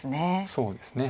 そうですね。